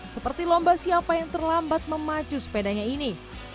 seperti lomba siapa yang terlambat memacu sepedanya ini